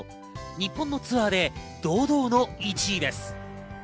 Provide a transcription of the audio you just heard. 日本のツアーで堂々の１位です。